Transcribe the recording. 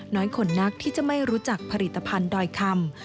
คนนักที่จะไม่รู้จักผลิตภัณฑ์ดอยคำ